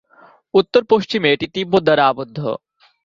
উত্তর-পশ্চিমে এটি তিব্বত দ্বারা আবদ্ধ।